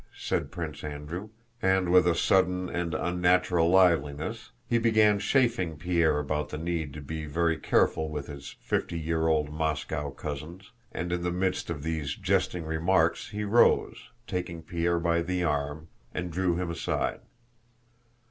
said Prince Andrew, and with sudden and unnatural liveliness he began chaffing Pierre about the need to be very careful with his fifty year old Moscow cousins, and in the midst of these jesting remarks he rose, taking Pierre by the arm, and drew him aside.